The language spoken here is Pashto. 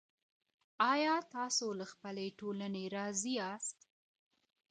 آيا تاسو له خپلي ټولني راضي ياست؟